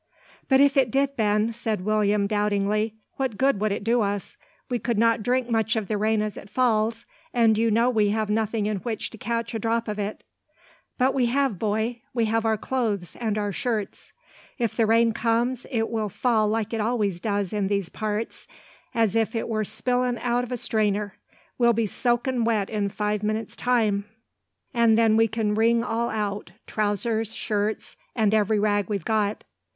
"But if it did, Ben," said William, doubtingly, "what good would it do us? We could not drink much of the rain as it falls, and you know we have nothing in which to catch a drop of it." "But we have, boy, we have our clothes and our shirts. If the rain comes, it will fall like it always does in these parts, as if it were spillin' out o' a strainer. We'll be soakin' wet in five minutes' time; and then we can wring all out, trousers, shirts, and every rag we've got."